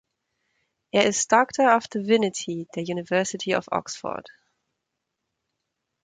Er ist "Doctor of Divinity" der University of Oxford.